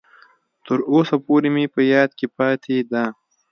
تر اوسه پورې مې په یاد کې پاتې ده.